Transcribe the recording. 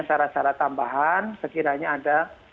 cara cara tambahan sekiranya ada